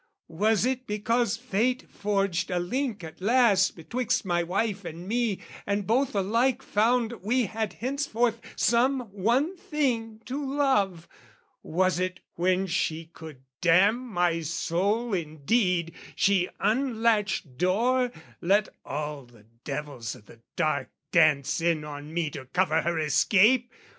Was it because fate forged a link at last Betwixt my wife and me, and both alike Found we had henceforth some one thing to love, Was it when she could damn my soul indeed She unlatched door, let all the devils o' the dark Dance in on me to cover her escape?